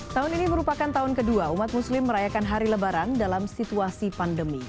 tahun ini merupakan tahun kedua umat muslim merayakan hari lebaran dalam situasi pandemi